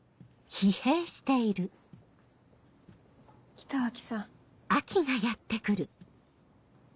北脇さん。